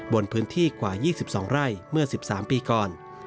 บนพื้นที่กว่า๒๒ไร่เมื่อ๑๓ปีก่อน